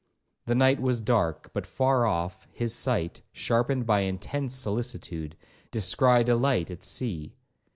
The night was dark, but far off, his sight, sharpened by intense solicitude, descried a light at sea.